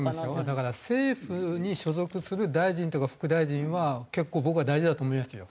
だから政府に所属する大臣とか副大臣は結構僕は大事だと思いますよ